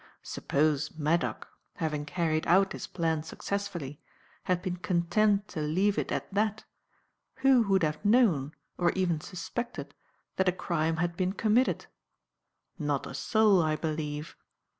Suppose Maddock, having carried out his plan successfully, had been content to leave it at that, who would have known, or even suspected, that a crime had been committed? Not a soul, I believe.